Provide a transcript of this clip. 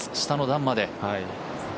下の段まで。